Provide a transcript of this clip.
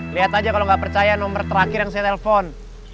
liat aja kalo gak percaya nomer terakhir yang saya telepon